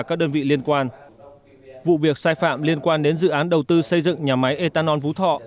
các đơn vị liên quan vụ việc sai phạm liên quan đến dự án đầu tư xây dựng nhà máy ethanol phú thọ